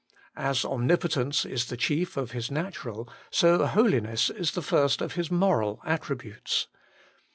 As Omnipotence is the chief of His natural, so Holiness is the first of His moral attributes.